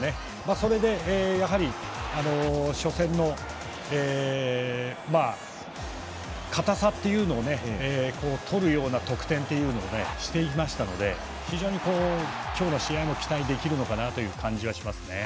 それで初戦の硬さをとるような得点をしていきましたので非常に、今日の試合も期待できるのかなという感じがしますね。